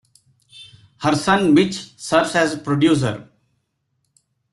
Her son Mitch serves as producer.